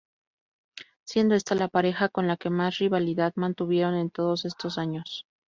Siendo está la pareja con la que más rivalidad mantuvieron en todos estos años.